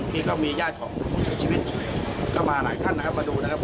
มีก็มีแย่ของโรงสารชีวิตมาหลายขั้นมาดูนะครับ